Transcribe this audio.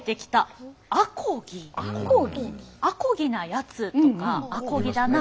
「あこぎなやつ」とか「あこぎだな」